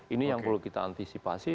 ini yang perlu kita antisipasi